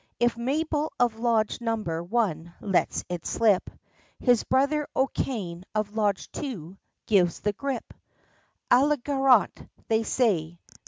If McAbel of Lodge number one lets it slip, His brother O'Cain of Lodge two, gives the grip À la garotte they say.